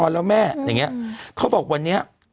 อย่างเงี้ยเค้าบอกวันนี้